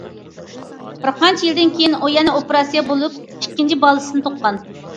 بىر قانچە يىلدىن كېيىن، ئۇ يەنە ئوپېراتسىيە بولۇپ ئىككىنچى بالىسىنى تۇغقان.